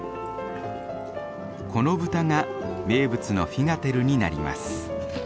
この豚が名物のフィガテルになります。